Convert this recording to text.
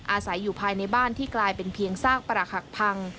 อาศัยอยู่ภายในบ้านที่กลายเป็นเพียงซากปรักหักพัง